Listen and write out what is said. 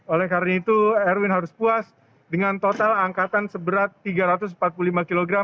oleh karena itu erwin harus puas dengan total angkatan seberat tiga ratus empat puluh lima kg